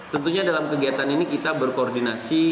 tentunya dalam kegiatan ini kita berkoordinasi